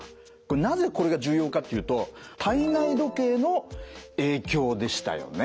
なぜこれが重要かっていうと体内時計の影響でしたよね。